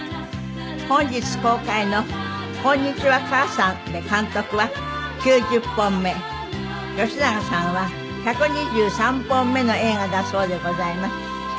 本日公開の『こんにちは、母さん』で監督は９０本目吉永さんは１２３本目の映画だそうでございます。